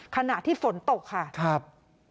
ขณะที่ฝนตกค่ะโอ้โฮครับ